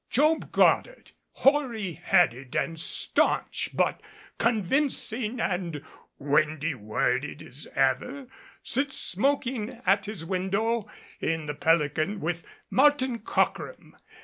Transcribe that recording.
Job Goddard, hoary headed and staunch, but convincing and windy worded as ever, sits smoking at his window in the Pelican with Martin Cockrem.